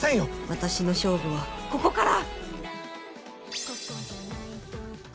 私の勝負はここから！